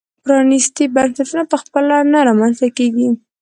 پرانیستي بنسټونه په خپله نه رامنځته کېږي.